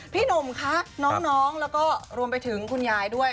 พี่หนุ่มคะน้องแล้วก็รวมไปถึงคุณยายด้วย